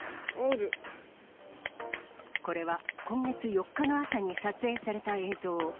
これは、今月４日の朝に撮影された映像。